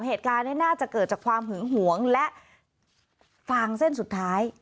เหตุการณ์นี้น่าจะเกิดจากความหึงหวงและฟางเส้นสุดท้าย